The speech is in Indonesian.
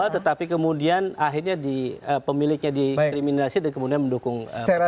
tetapi kemudian akhirnya pemiliknya dikriminalisasi dan kemudian mendukung media sosial